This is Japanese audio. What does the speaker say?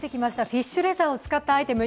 フィッシュレザーを使ったアイテム